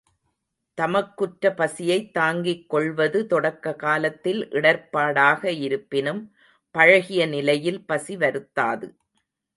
தமக்குற்ற பசியைத் தாங்கிக் கொள்வது, தொடக்க காலத்தில் இடர்ப் பாடாக இருப்பினும் பழகிய நிலையில் பசி வருத்தாது.